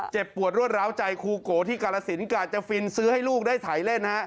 ปวดรวดร้าวใจครูโกที่กาลสินกะจะฟินซื้อให้ลูกได้ถ่ายเล่นฮะ